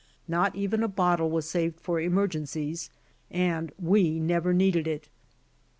Not even a bottle wa« saved for emergencies and Ave never needed it.